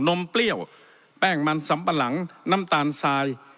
มเปรี้ยวแป้งมันสำปะหลังน้ำตาลทราย